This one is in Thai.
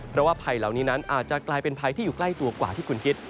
เพราะว่าภัยเหล่านี้นั้นอาจจะกลายเป็นภัยที่อยู่ใกล้ตัวกว่าที่คุณคิด